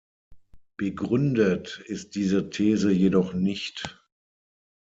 Begründet ist diese These jedoch nicht.